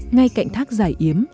ngay cạnh thác giải yếm